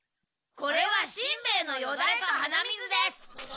これはしんべヱのよだれと鼻水です。